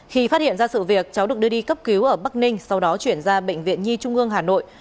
khi phát hiện ra sự việc cháu được đưa đi cấp cứu ở bắc ninh sau đó chuyển ra bệnh viện nhi trung ương hà nội